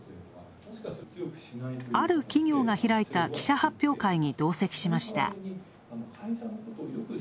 ある企業が開いた記者発表会に同席しました。